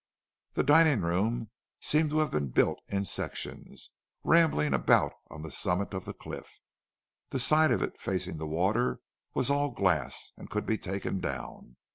The dining room seemed to have been built in sections, rambling about on the summit of the cliff. The side of it facing the water was all glass, and could be taken down.